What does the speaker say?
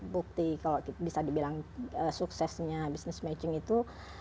bukti kalau bisa dibilang suksesnya business matching itu